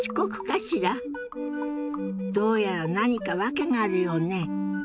どうやら何か訳があるようね。